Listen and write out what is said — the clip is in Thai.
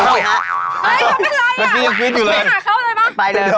เอ้ยเค้าเป็นไรหรือยังไม่หาเค้าหรือยังปะ